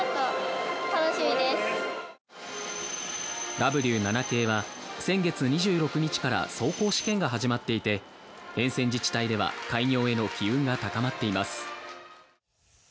Ｗ７系は先月２６日から走行試験が始まっていて沿線自治体では開業への機運が高まっています。